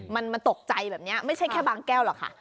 มันตกใจแบบนี้ไม่ใช่แค่บางแก้วหรอกค่ะ